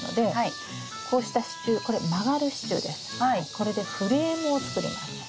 これでフレームを作ります。